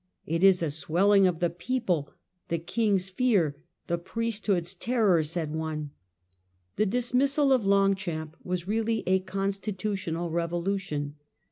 It is " a swelling of the people, the king's fear, the priesthood's terror", said one. The dismissal of Longchamp was really a constitutional RICHARD'S VOYAGE. 43 revolution.